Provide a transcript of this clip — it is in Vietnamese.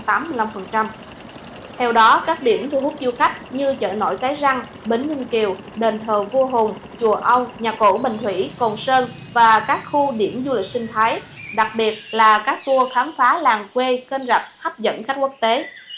theo đó các điểm thu hút du khách như chợ nổi cái răng bến ninh kiều đền thờ vua hùng chùa âu nhà cổ bình thủy cồn sơn và các khu điểm du lịch sinh thái đặc biệt là các tour khám phá làng quê kênh rạch hấp dẫn khách quốc tế